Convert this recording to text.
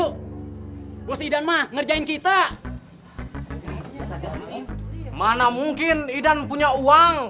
kemarin si kang idan bilang